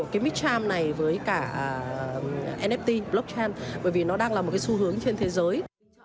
cái microm này với cả nft blockchain bởi vì nó đang là một cái xu hướng trên thế giới